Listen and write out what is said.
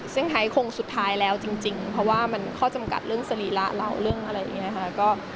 ซึ่งไทยคงสุดท้ายแล้วจริงเพราะว่ามันข้อจำกัดเรื่องสรีระเราเรื่องอะไรอย่างนี้ค่ะ